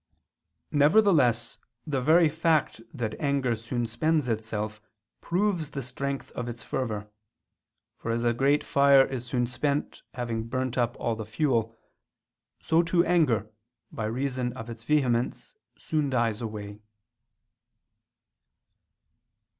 Nevertheless the very fact that anger soon spends itself proves the strength of its fervor: for as a great fire is soon spent having burnt up all the fuel; so too anger, by reason of its vehemence, soon dies away.